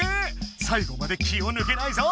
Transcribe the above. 最後まで気をぬけないぞ！